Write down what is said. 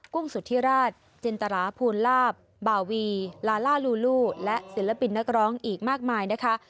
กุ้งสุธิราชจินตราภูลลาบบาวีลาล่าลูลูและศิลปินนักร้องอีกมากมายนะคะ